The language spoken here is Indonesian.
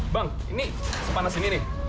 bang ini sepanas ini nih